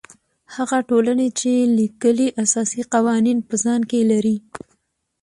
هغه ټولنې چې لیکلي اساسي قوانین په ځان کې لري.